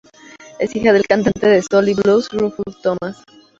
Es hija del cantante de soul y blues Rufus Thomas.